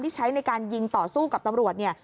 ใช้ในการยิงต่อสู้กับตำรวจเนี่ย